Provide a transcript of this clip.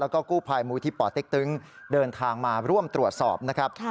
แล้วก็กู้ภัยมูลที่ป่อเต็กตึงเดินทางมาร่วมตรวจสอบนะครับ